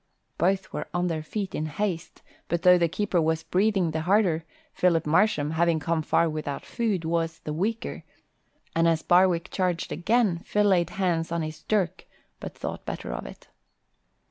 Both were on their feet in haste, but though the keeper was breathing the harder, Philip Marsham, having come far without food, was the weaker, and as Barwick charged again, Phil laid hands on his dirk, but thought better of it.